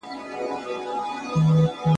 نه حبیب سته نه طبیب سته نه له دې رنځه جوړیږو ,